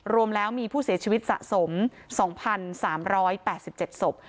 รวมแล้วมีผู้เสียชีวิตสะสม๒๓๘๗ศพ